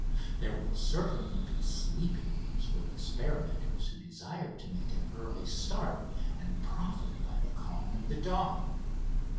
There will certainly be sleeping rooms for experimenters who desire to make an early start and profit by the calm of the dawn.